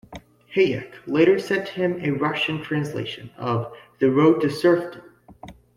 Hayek later sent him a Russian translation of "The Road to Serfdom".